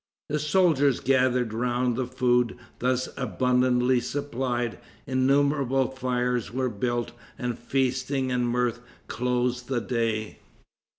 The soldiers gathered around the food thus abundantly supplied, innumerable fires were built, and feasting and mirth closed the day.